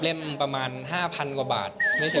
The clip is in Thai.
เล่มประมาณ๕๐๐๐กว่าบาท